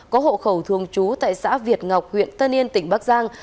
có hộ khẩu thường trú tại xã việt ngọc huyện tân yên tỉnh bắc giang